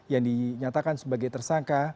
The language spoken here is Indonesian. yang dinyatakan sebagai tersangka